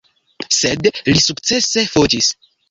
Sed li sukcese fuĝis.